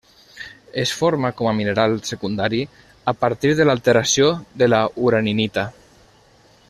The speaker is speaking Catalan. Es forma com a mineral secundari a partir de l'alteració de la uraninita.